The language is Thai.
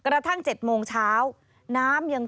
สวัสดีค่ะสวัสดีค่ะ